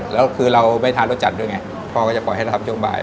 แล้วคือเราไม่ทานรสจัดด้วยไงพ่อก็จะปล่อยให้เราทำช่วงบ่าย